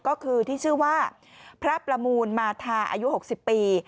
ก็คือที่ชื่อว่าพระประมูลมาทาอายุ๖๐ปี